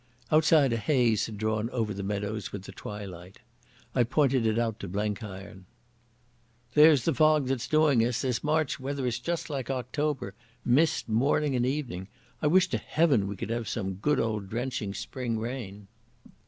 Outside a haze had drawn over the meadows with the twilight. I pointed it out to Blenkiron. "There's the fog that's doing us. This March weather is just like October, mist morning and evening. I wish to Heaven we could have some good old drenching spring rain."